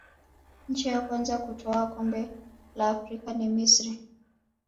nchi ya kwanza kutwaa kombe la afrika ni misri